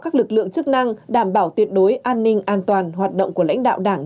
phòng chống chức năng đảm bảo tuyệt đối an ninh an toàn hoạt động của lãnh đạo đảng